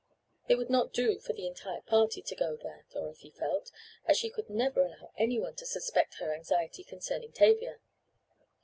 It would not do for the entire party to go there, Dorothy felt, as she could never allow any one to suspect her anxiety concerning Tavia.